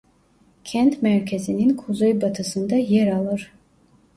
Kent merkezinin kuzeybatısında yer alır.